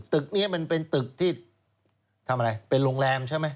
ตึกนี้มันเป็นตึกที่ทำอะไรเป็นโรงแรมใช่ไหม